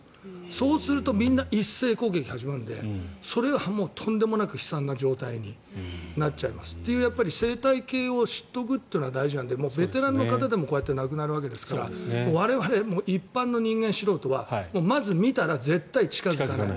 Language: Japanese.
そうするとみんな、一斉攻撃が始まるんでそれはとんでもなく悲惨な状態になっちゃいますという生態系を知っておくというのは大事なんでベテランの方でもこうやってなくなるわけですから我々、一般の人間、素人はまず見たら絶対に近付かない。